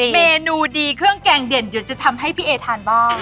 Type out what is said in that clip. เมนูดีเครื่องแกงเด่นเดี๋ยวจะทำให้พี่เอทานบ้าง